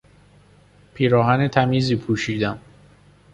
پیراهن تمیزی پوشیدم.